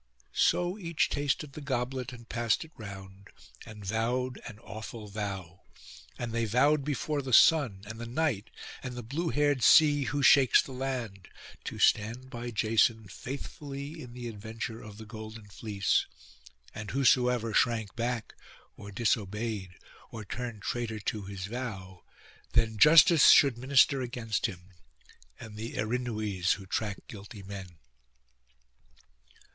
So each tasted the goblet, and passed it round, and vowed an awful vow: and they vowed before the sun, and the night, and the blue haired sea who shakes the land, to stand by Jason faithfully in the adventure of the golden fleece; and whosoever shrank back, or disobeyed, or turned traitor to his vow, then justice should minister against him, and the Erinnues who track guilty men.